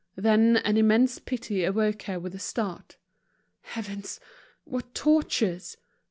Then an immense pity awoke her with a start. Heavens! what tortures!